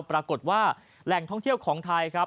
ปรากฏว่าแหล่งท่องเที่ยวของไทยครับ